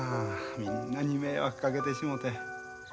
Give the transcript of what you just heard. みんなに迷惑かけてしもて。